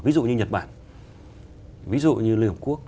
ví dụ như nhật bản ví dụ như liên hợp quốc